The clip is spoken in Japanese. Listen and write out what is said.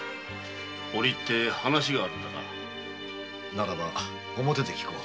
ならば表で聞こう。